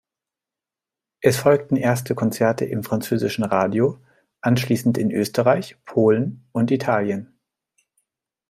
Es folgten erste Konzerte im französischen Radio, anschließend in Österreich, Polen und Italien.